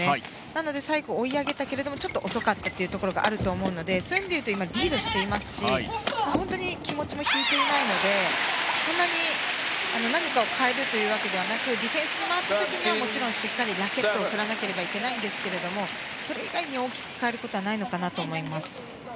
なので最後、追い上げたけれども遅かったところがあると思うのでそういう意味でいうと今リードしていますし本当に気持ちも引いていないのでそんなに何かを変えるというわけではなくディフェンスに回った時はしっかりとラケットを振らなければいけませんがそれ以外に大きく変えることはないのかなと思います。